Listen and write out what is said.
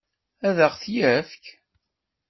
Ad ɣ-t-yefk?